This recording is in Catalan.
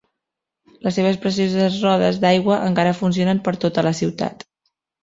Les seves precioses rodes d'aigua encara funcionen per tota la ciutat.